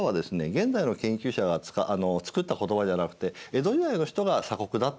現在の研究者が作った言葉じゃなくて江戸時代の人が「鎖国」だと言ってるんですね。